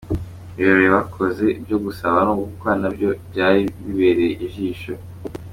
Ibirori bakoze byo gusaba no gukwa na byo byari bibereye ijisho.